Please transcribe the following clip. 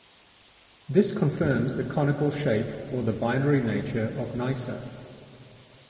This confirms the conical shape or the binary nature of Nysa.